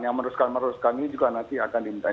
yang meneruskan meneruskan ini juga nanti akan diminta